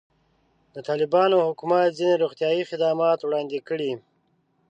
د طالبانو حکومت ځینې روغتیایي خدمات وړاندې کړي.